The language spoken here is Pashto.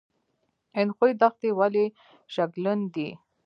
اندخوی دښتې ولې شګلن دي؟